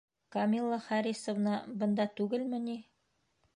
Камилла Харисовна... бында түгелме ни?